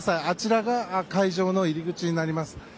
あちらが会場の入り口になります。